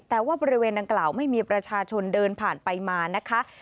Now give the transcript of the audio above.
แต่ว่าบริเวณดังกล่าวไม่มีประชาชนเดินผ่านไปมานะคะ